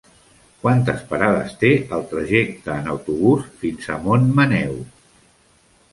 Quantes parades té el trajecte en autobús fins a Montmaneu?